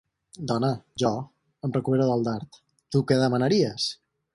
Dona, jo —em recupero del dard—, tu què demanaries?